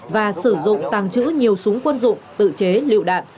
và sử dụng tàng trữ nhiều súng quân dụng tự chế lựu đạn